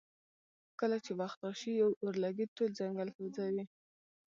کله چې وخت راشي یو اورلګیت ټول ځنګل سوځوي.